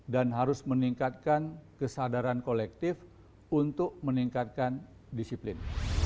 dan harus meningkatkan kesadaran kolektif untuk meningkatkan disiplin